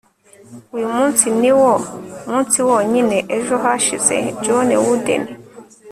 uyu munsi niwo munsi wonyine. ejo hashize. - john wooden